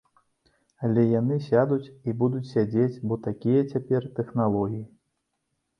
Але яны сядуць і будуць сядзець, бо такія цяпер тэхналогіі.